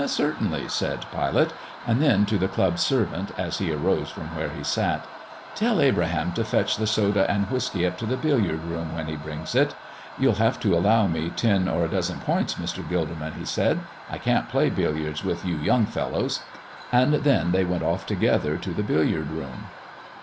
"Certainly," said Pilate. And then to the club servant, as he arose from where he sat: "Tell Abraham to fetch the soda and whiskey up to the billiard room when he brings it. You'll have to allow me ten or a dozen points, Mr. Gilderman," he said. "I can't play billiards with you young fellows." And then they went off together to the billiard room.